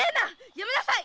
やめなさい！